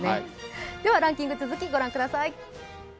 ではランキング、続き、ご覧ください。